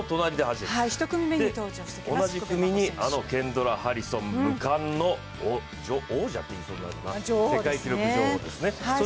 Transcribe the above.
同じ組にあのケンドラ・ハリソン、無冠の女王、世界記録女王ですね。